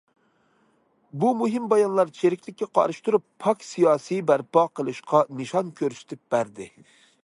بۇ مۇھىم بايانلار چىرىكلىككە قارشى تۇرۇپ، پاك سىياسىي بەرپا قىلىشقا نىشان كۆرسىتىپ بەردى.